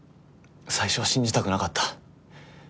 最初は信じたくなかった。